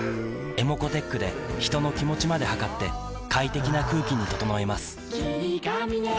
ｅｍｏｃｏーｔｅｃｈで人の気持ちまで測って快適な空気に整えます